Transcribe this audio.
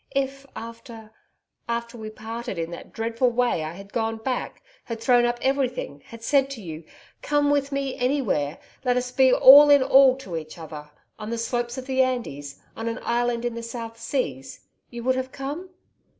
If after after we parted in that dreadful way, I had gone back, had thrown up everything, had said to you, "Come with me ANYWHERE, let us be all in all to each other on the slopes of the Andes, on an island in the South Seas you would have come?"'